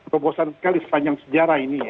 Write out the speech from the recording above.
kebosan sekali sepanjang sejarah ini ya